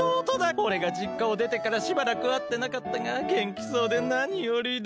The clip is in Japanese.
おれがじっかをでてからしばらくあってなかったがげんきそうでなによりだ。